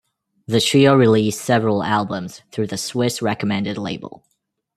The trio released several albums through the Swiss Recommended label.